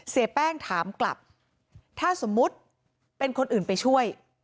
เสียแป้งถามกลับถ้าสมมุติเป็นคนอื่นไปช่วย